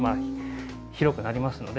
広くなりますので。